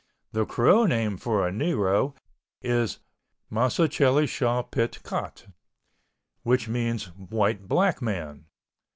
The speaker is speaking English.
The Crow name for a Negro is Masachele Sha Pit Cot (which means White Black Man).